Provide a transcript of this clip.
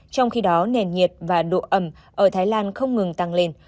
trong khi đó nền nhiệt và độ ẩm ở thái lan không ngừng tăng lên